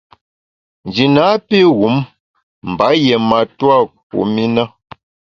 Nji napi wum mba yié matua kum i na.